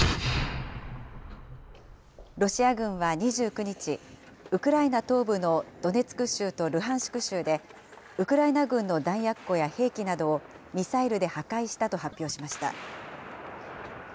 ロシア軍は２９日、ウクライナ東部のドネツク州とルハンシク州で、ウクライナ軍の弾薬庫や、兵器などをミサイルで破壊したと発表しました。